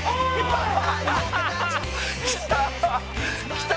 きた！